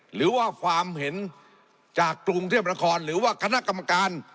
หรือว่าความเห็นจากกรุงเทพนครหรือว่าคณะกรรมการ